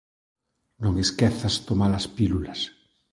Non esquezas tomar as pílulas